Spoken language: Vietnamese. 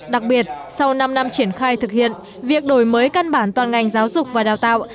đặc biệt sau năm năm triển khai thực hiện việc đổi mới căn bản toàn ngành giáo dục và đào tạo